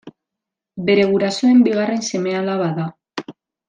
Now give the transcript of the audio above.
Bere gurasoen bigarren seme-alaba da.